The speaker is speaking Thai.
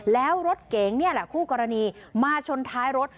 แล้วรถเก๋งคู่กรณีมาชนท้ายรถ